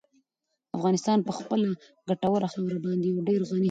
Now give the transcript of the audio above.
افغانستان په خپله ګټوره خاوره باندې یو ډېر غني هېواد دی.